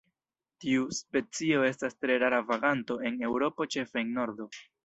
Tiu specio estas tre rara vaganto en Eŭropo ĉefe en nordo.